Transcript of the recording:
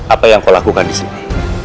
apa yang kau lakukan disini